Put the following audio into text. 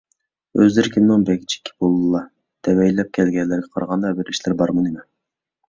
ئۆزلىرى كىمنىڭ بەگچىكى بولىلا؟ دېۋەيلەپ كەلگەنلىرىگە قارىغاندا بىر ئىشلىرى بارمۇ، نېمە؟